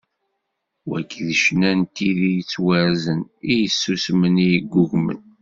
Wagi d ccna n tid i yettwarzen, i yessusmen, i yeggugmen.